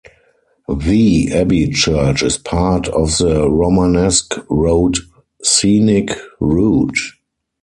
The abbey church is part of the Romanesque Road scenic route.